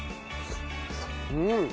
うん！